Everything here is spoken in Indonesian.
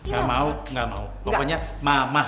gak mau gak mau pokoknya mama